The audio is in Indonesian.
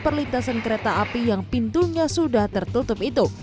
perlintasan kereta api yang pintunya sudah tertutup itu